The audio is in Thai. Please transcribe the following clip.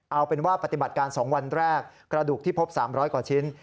เอาเป็นว่าปฏิบัติการ๒วันแรกกระดูกที่พบ๓๐๐กว่าชิ้น